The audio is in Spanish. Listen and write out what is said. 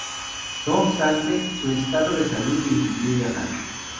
No obstante su estado de salud le impidió viajar.